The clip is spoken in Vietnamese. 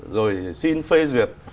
rồi xin phê duyệt